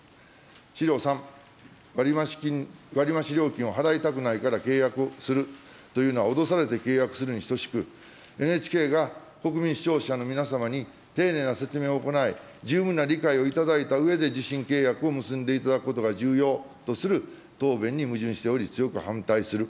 資料３、割増金、割増料金を払いたくないから契約するというのは脅されて契約するに等しく、ＮＨＫが国民視聴者の皆様に、丁寧な説明を行い、十分な理解をいただいたうえで受信契約を結んでいただくことが重要とする答弁に矛盾しており、強く反対する。